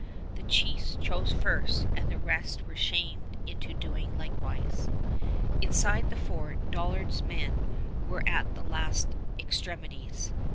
The chiefs chose first and the rest were shamed into doing likewise. Inside the fort, Dollard's men were at the last extremities.